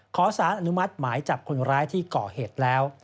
ขอสารอนุมัติหมายจับคนร้ายที่ก่อเหตุแล้ว